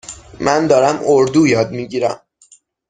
من دارم اردو یاد می گیرم.